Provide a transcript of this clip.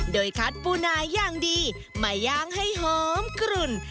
โดยคัดปูนาอย่างดีมาย่างให้หอมกลุ่น